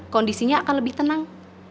kondisinya akan lebih tenang